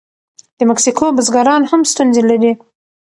د مکسیکو بزګران هم ستونزې لري.